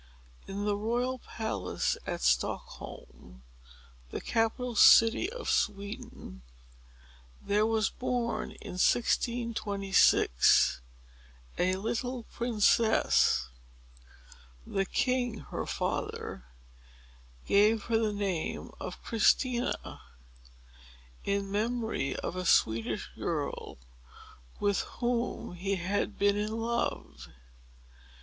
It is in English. In the royal palace at Stockholm, the capital city of Sweden, there was born, in 1626, a little princess. The king, her father, gave her the name of Christina, in memory of a Swedish girl with whom he had been in love.